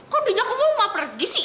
kok di jakarta mau pergi sih